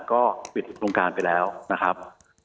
ก็ปิดโครงการไปแล้วนะครับ